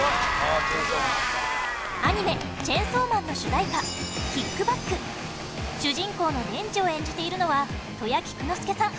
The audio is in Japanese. アニメ『チェンソーマン』の主題歌『ＫＩＣＫＢＡＣＫ』主人公のデンジを演じているのは戸谷菊之介さん